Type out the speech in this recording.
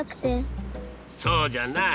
そうじゃな。